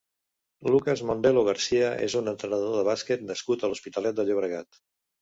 Lucas Mondelo García és un entrenador de bàsquet nascut a l'Hospitalet de Llobregat.